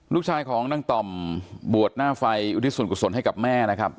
ลูกชายของนางต่อมบวชหน้าไฟอุทิศส่วนกุศลให้กับแม่นะครับ